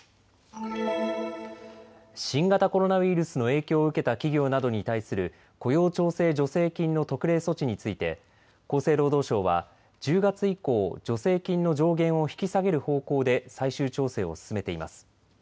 新型コロナウイルスの影響を受けた企業などに対する雇用調整助成金の特例措置について厚生労働省は１０月以降、助成金の上限を引き下げる方向で最終調整を進めています。